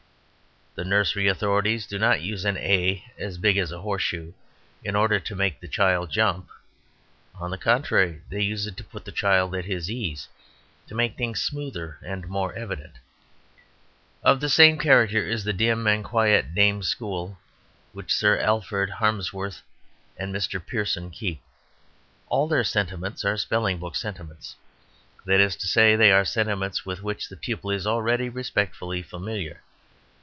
The nursery authorities do not use an A as big as a horseshoe in order to make the child jump; on the contrary, they use it to put the child at his ease, to make things smoother and more evident. Of the same character is the dim and quiet dame school which Sir Alfred Harmsworth and Mr. Pearson keep. All their sentiments are spelling book sentiments that is to say, they are sentiments with which the pupil is already respectfully familiar.